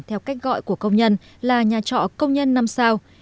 theo cách gọi của công nhân là nhà trọ công nhân năm sao